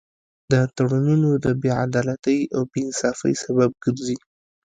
دا تړونونه د بې عدالتۍ او بې انصافۍ سبب ګرځي